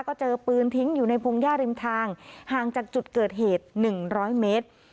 ก็เจอปืนทิ้งอยู่ในพุงย่าริมทางห่างจากจุดเกิดเหตุหนึ่งร้อยเมตร